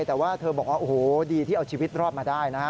แต่ว่าเธอบอกว่าโอ้โหดีที่เอาชีวิตรอดมาได้นะฮะ